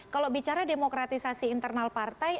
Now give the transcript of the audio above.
kalau bicara demokratisasi internal partai